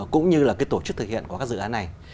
cũng như là cái tổ chức thực hiện của các dự án này